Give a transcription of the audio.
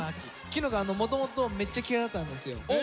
キノコもともとめっちゃ嫌いだったんですよ。